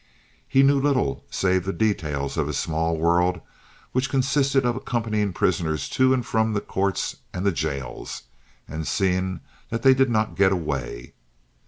He knew little save the details of his small world, which consisted of accompanying prisoners to and from the courts and the jails, and seeing that they did not get away.